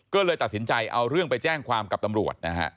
ก็เลยตัดสินใจเอาเรื่องไปแจ้งความกับตำรวจนะฮะ